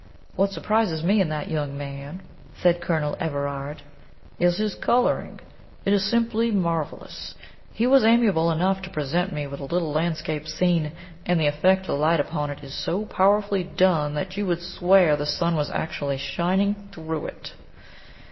"What surprises me in that young man," said Colonel Everard, "is his colouring. It is simply marvellous. He was amiable enough to present me with a little landscape scene; and the effect of light upon it is so powerfully done that you would swear the sun was actually shining through it."